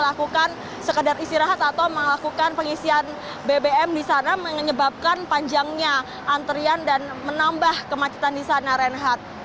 melakukan sekedar istirahat atau melakukan pengisian bbm di sana menyebabkan panjangnya antrian dan menambah kemacetan di sana renhat